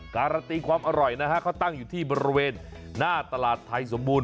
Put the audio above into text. การันตีความอร่อยนะฮะเขาตั้งอยู่ที่บริเวณหน้าตลาดไทยสมบูรณ